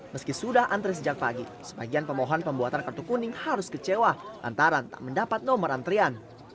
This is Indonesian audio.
meski sudah antre sejak pagi sebagian pemohon pembuatan kartu kuning harus kecewa lantaran tak mendapat nomor antrian